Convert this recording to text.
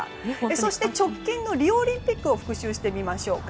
そして直近のリオオリンピックを復習してみましょうか。